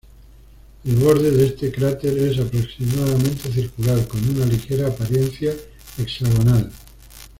El borde de este cráter es aproximadamente circular, con una ligera apariencia hexagonal.